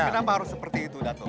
kenapa harus seperti itu dato